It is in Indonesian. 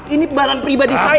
ini barang pribadi saya